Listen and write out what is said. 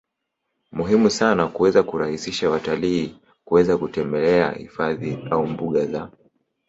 muhimu sana kuweza kurahisisha watalii kuweza kutembele hifadhi au mbuga za